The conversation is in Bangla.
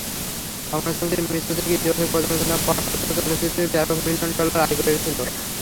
সমালোচকদের মিশ্র-থেকে-ইতিবাচক পর্যালোচনা পাওয়া সত্ত্বেও, চলচ্চিত্রটি বিশ্বব্যাপী মিলিয়ন ডলার আয় করেছিল।